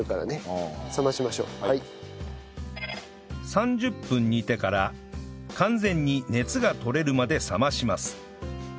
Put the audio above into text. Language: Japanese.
３０分煮てから完全に熱が取れるまで冷まします